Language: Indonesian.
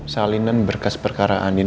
salinan berkas perkara andin